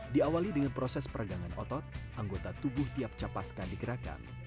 diawali dengan proses peregangan otot anggota tubuh tiap capaskan digerakkan